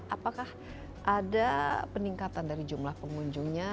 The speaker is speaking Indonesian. apakah ada peningkatan dari jumlah pengunjungnya